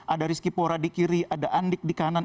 ada rizky pora di kiri ada andik di kanan